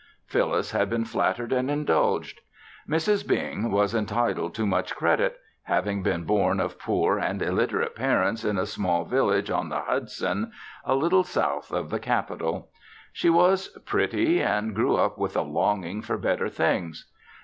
Phyllis had been flattered and indulged. Mrs. Bing was entitled to much credit, having been born of poor and illiterate parents in a small village on the Hudson a little south of the Capital. She was pretty and grew up with a longing for better things.